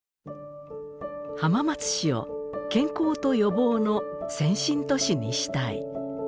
浜松市を健康と予防の先進都市にしたい。